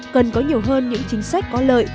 cần có nhiều hơn những chính sách có lợi